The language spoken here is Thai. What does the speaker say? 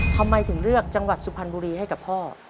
ทำไมถึงเลือกจังหวัดสุพรรณบุรีให้กับพ่อ